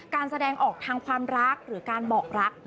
การแสดงออกทางความรักหรือการบอกรัก